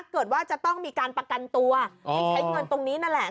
เกิดว่าจะต้องมีการประกันตัวให้ใช้เงินตรงนี้นั่นแหละ